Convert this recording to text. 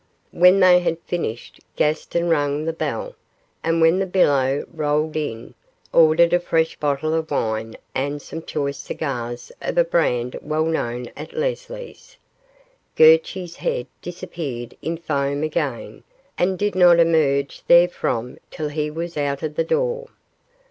When they had finished Gaston rang the bell, and when the billow rolled in, ordered a fresh bottle of wine and some choice cigars of a brand well known at Leslie's. Gurchy's head disappeared in foam again, and did not emerge therefrom till he was out of the door.